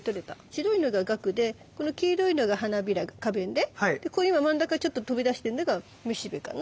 白いのががくでこの黄色いのが花びら花弁で今真ん中ちょっと飛び出してんのが雌しべかな。